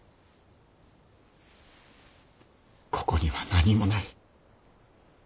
ここには何もない。